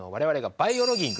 バイオロギング？